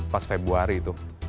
pas februari itu